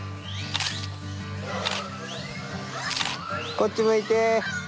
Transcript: こっち向いて。